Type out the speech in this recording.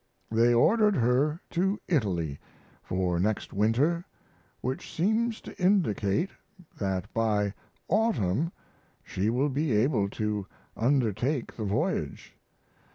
They ordered her to Italy for next winter which seems to indicate that by autumn she will be able to undertake the voyage.